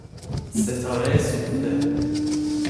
ستاره سوخته